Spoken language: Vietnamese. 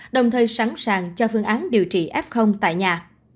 đồng thời sẵn sàng cho phương án điều trị f tại nhà